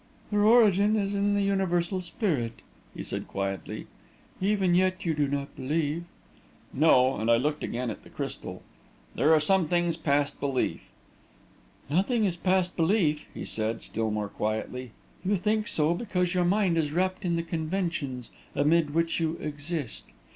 "Their origin is in the Universal Spirit," he said, quietly. "Even yet you do not believe." "No," and I looked again at the crystal. "There are some things past belief." "Nothing is past belief," he said, still more quietly, "You think so because your mind is wrapped in the conventions amid which you exist.